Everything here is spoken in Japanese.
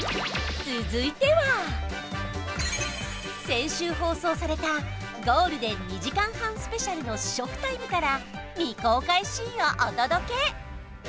先週放送されたゴールデン２時間半スペシャルの試食タイムから未公開シーンをお届け！